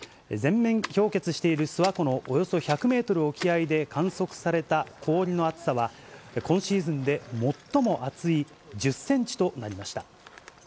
全面氷結している諏訪湖のおよそ１００メートル沖合で観測された氷の厚さは、今シーズンで最も厚い１０センチとなりました。